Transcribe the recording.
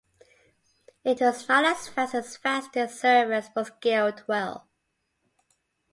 It was not as fast as the fastest servers but scaled well.